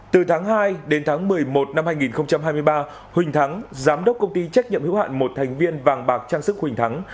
từ tháng hai đến tháng một mươi một năm hai nghìn hai mươi ba huỳnh thắng giám đốc công ty trách nhiệm hữu hạn một thành viên vàng bạc trang sức huỳnh thắng